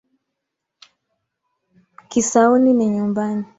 Kisauni ni nyumbani.